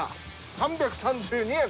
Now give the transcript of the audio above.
３３２円。